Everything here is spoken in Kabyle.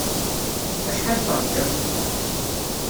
Acḥal terjam?